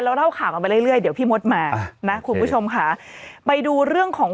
เล่าข่าวกันไปเรื่อยเดี๋ยวพี่มดมานะคุณผู้ชมค่ะไปดูเรื่องของ